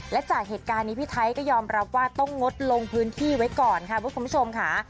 และจากเหตุการณ์นี้พี่ไทยก็ยอมรับว่าต้องงดลงพื้นที่ไว้ก่อนค่ะคุณผู้ชมค่ะ